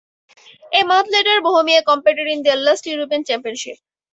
A month later Bohemia competed in their last European Championship.